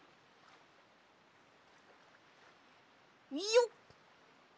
よっ！